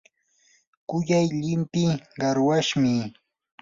kuyay llimpii qarwashmi.